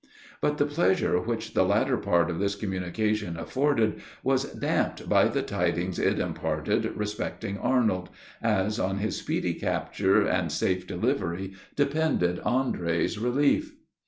But the pleasure which the latter part of this communication afforded was damped by the tidings it imparted respecting Arnold as on his speedy capture and safe delivery depended Andre's relief.